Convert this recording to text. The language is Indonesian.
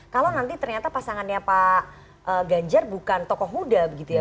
kalau nanti ternyata pasangannya pak ganjar bukan tokoh muda